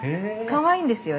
かわいいんですよ。